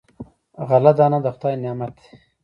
غله دانه د خدای نعمت دی.